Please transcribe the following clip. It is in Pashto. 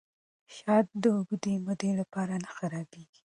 شات د اوږدې مودې لپاره نه خرابیږي.